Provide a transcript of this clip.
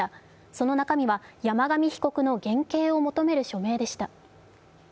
その中身は、山上被告の減軽を求める署名でした。